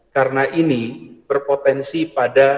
karena ini berpotensi pada